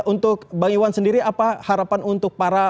untuk bang iwan sendiri apa harapan untuk para